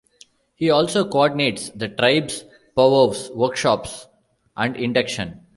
He also coordinates the tribe's powwows, workshops and induction.